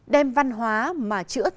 đem văn hóa mà chữa thoát